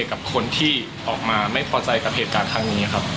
กับคนที่ออกมาไม่พอใจกับเหตุการณ์ครั้งนี้ครับ